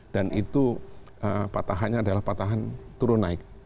dan itu patahannya adalah patahan turun naik